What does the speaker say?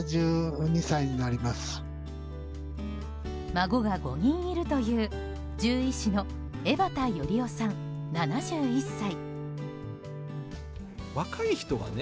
孫が５人いるという獣医師の江端資雄さん、７１歳。